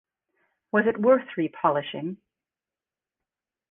Was it worth re-polishing?